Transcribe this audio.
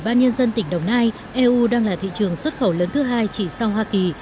ủy ban nhân dân tỉnh đồng nai eu đang là thị trường xuất khẩu lớn thứ hai chỉ sau hoa kỳ